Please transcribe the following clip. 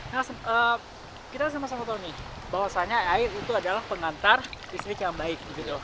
nah kita sama sama tahu nih bahwasannya air itu adalah pengantar listrik yang baik